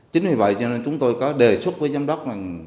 chính vì vậy chúng tôi có đề xuất với giám đốc